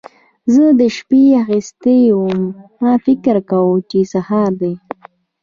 زه شپې اخيستی وم؛ ما فکر کاوو چې سهار دی.